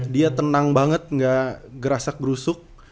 dia tenang banget gak gerasak gerusuk